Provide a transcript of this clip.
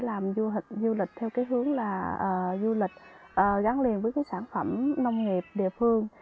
làm du lịch theo cái hướng là du lịch gắn liền với cái sản phẩm nông nghiệp địa phương